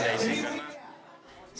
yaitu terutama dari merchandising